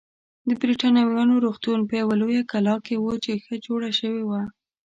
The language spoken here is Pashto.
د بریتانویانو روغتون په یوه لویه کلا کې و چې ښه جوړه شوې وه.